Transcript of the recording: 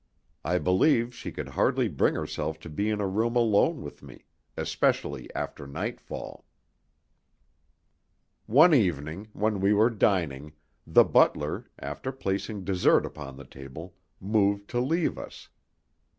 I believe she could hardly bring herself to be in a room alone with me, especially after nightfall. One evening, when we were dining, the butler, after placing dessert upon the table, moved to leave us.